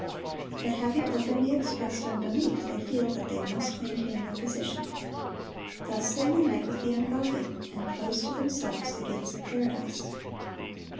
But having openly expressed unbelief, they feel that they must maintain their position. Thus they unite with the ungodly, and close to themselves the gates of Paradise.